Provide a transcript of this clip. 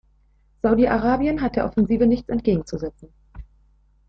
Saudi-Arabien hat der Offensive nichts entgegenzusetzen.